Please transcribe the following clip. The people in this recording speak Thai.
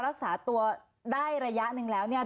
รักษาตัวได้ระยะหนึ่งแล้วเนี่ย